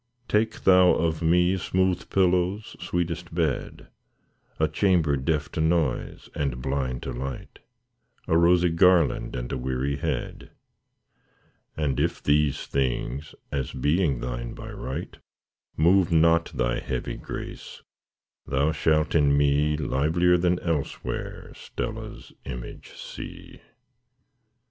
Take thou of me smooth pillows, sweetest bed,A chamber deaf to noise and blind to light,A rosy garland and a weary head:And if these things, as being thine by right, Move not thy heavy grace, thou shalt in me, Livelier than elsewhere, Stella's image see.